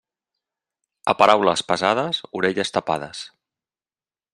A paraules pesades, orelles tapades.